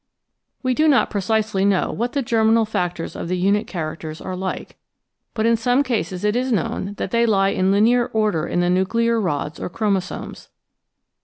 We do not precisely know what the germinal factors of the unit characters are like, but in some cases it is known that they lie in linear order in the nuclear rods or chromo somes.